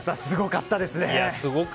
すごかったですね。